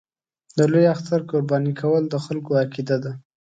د لوی اختر قرباني کول د خلکو عقیده ده.